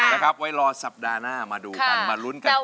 นะครับไว้รอสัปดาห์หน้ามาดูกันมาลุ้นกันต่อ